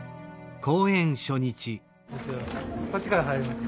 こっちから入れますよ。